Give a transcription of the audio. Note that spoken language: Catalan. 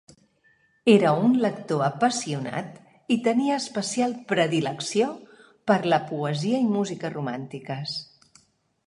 Era un lector apassionat i tenia especial predilecció per a la poesia i música romàntiques.